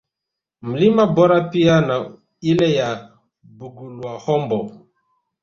Mlima Boru pia na ile ya Bugulwahombo